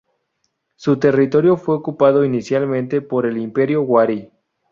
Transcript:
Su territorio fue ocupado inicialmente por el imperio Wari.